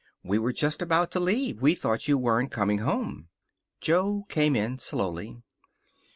"We were just about to leave. We thought you weren't coming home." Jo came in slowly.